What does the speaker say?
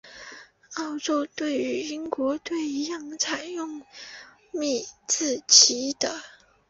澳洲队与英国队一样是采用米字旗的。